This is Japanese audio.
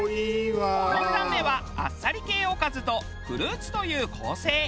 ４段目はあっさり系おかずとフルーツという構成。